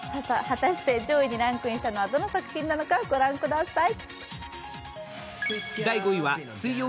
果たして上位にランクインしたのはどの作品なのか、ご覧ください。